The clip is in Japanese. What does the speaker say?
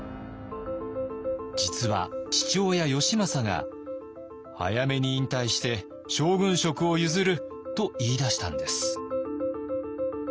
実は父親義政が「早めに引退して将軍職を譲る」と言いだしたんです。